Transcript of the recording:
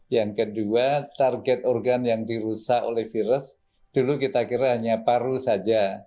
yang kedua target organ yang dirusak oleh virus dulu kita kira hanya paru saja